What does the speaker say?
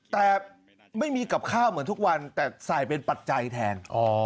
แต่ไม่มีกับข้าวเหมือนทุกวันแต่ใส่เป็นปัจจัยแทน